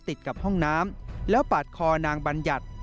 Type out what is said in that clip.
ติดกับห้องน้ำแล้วปาดคอนางบัญญัติ